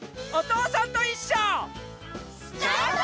スタート！